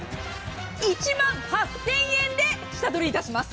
１万８０００円で下取りいたします。